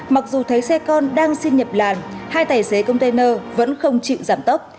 mặc dù thấy xe con đang xin nhập làn hai tài xế container vẫn không chịu giảm tốc